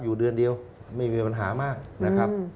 อยู่เดือนเดียวไม่มีปัญหามากนะครับ